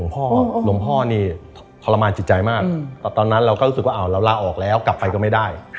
หลวงพ่อนี่ทรมานจิตใจมากแต่ตอนนั้นเราก็รู้สึกว่าเราลาออกแล้วกลับไปก็ไม่ได้